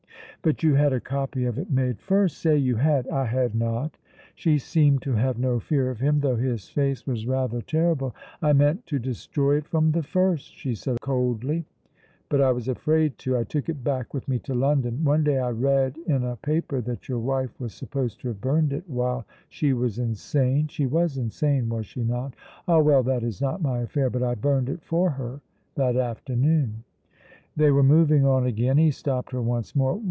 "But you had a copy of it made first. Say you had!" "I had not." She seemed to have no fear of him, though his face was rather terrible. "I meant to destroy it from the first," she said coldly, "but I was afraid to. I took it back with me to London. One day I read in a paper that your wife was supposed to have burned it while she was insane. She was insane, was she not? Ah, well, that is not my affair; but I burned it for her that afternoon." They were moving on again. He stopped her once more.